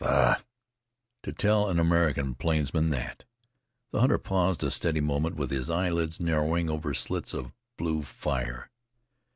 "Faugh! to tell an American plainsman that!" The hunter paused a steady moment, with his eyelids narrowing over slits of blue fire.